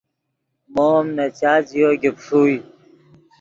مو ام نے چات ژیو گیپ ݰوئے